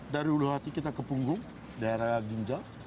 dari ulu hati kita ke punggung daerah ginjal